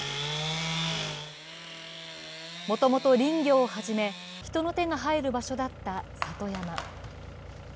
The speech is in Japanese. もともと林業をはじめ、人の手が入る場所だった里山。